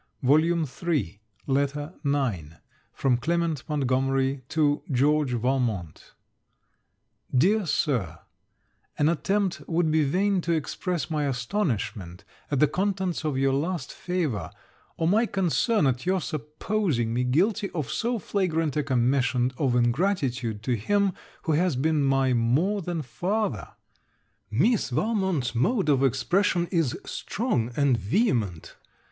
VALMONT LETTER IX FROM CLEMENT MONTGOMERY TO GEORGE VALMONT Dear Sir, An attempt would be vain to express my astonishment at the contents of your last favour, or my concern at your supposing me guilty of so flagrant a commission of ingratitude to him, who has been my more than father. Miss Valmont's mode of expression is strong and vehement.